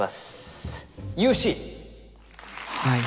はい。